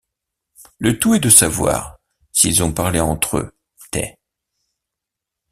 Le tout est de savoir s’ils ont parlé entre eux, té...